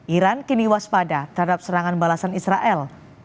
iran kini waspada terhadap serangan balasan israel